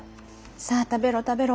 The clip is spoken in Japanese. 『さあたべろ、たべろ。